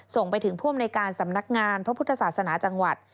ส่งไปถึงผู้อำนวยการสำนักงานพระพุทธศาสนาจังหวัด